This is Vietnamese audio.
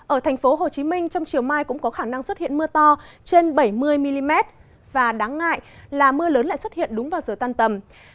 ở thành phố hồ chí minh trong chiều mai cũng có khả năng xuất hiện mưa to trên bảy mươi mm và đáng ngại là mưa lớn lại xuất hiện đúng vào giờ tan tầm